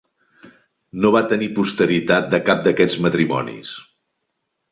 No va tenir posteritat de cap d'aquests matrimonis.